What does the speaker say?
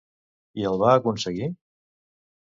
I el va aconseguir?